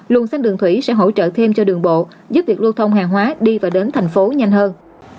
luồng xanh đường thủy sẽ hỗ trợ thêm cho đường bộ giúp việc lưu thông hàng hóa đi và đến tp hcm nhanh hơn